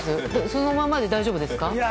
そのままで大丈夫ですか。